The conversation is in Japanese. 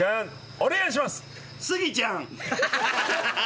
お願いします。